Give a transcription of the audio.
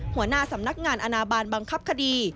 หัวหน้าสำนักงานอนาบาลบังคับคดี